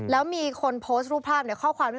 แล้วมีคนโพสต์รูปภาพในข้อความด้วย